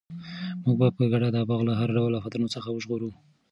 موږ به په ګډه دا باغ له هر ډول آفتونو څخه وژغورو.